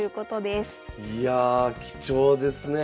いやあ貴重ですねえ。